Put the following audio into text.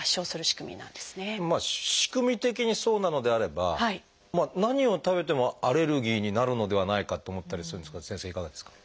仕組み的にそうなのであれば何を食べてもアレルギーになるのではないかと思ったりするんですが先生いかがですか？